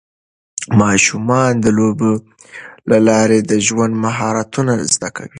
ماشومان د لوبو له لارې د ژوند مهارتونه زده کوي.